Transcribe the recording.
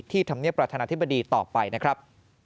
ธรรมเนียบประธานาธิบดีต่อไปนะครับ